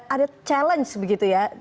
ada challenge begitu ya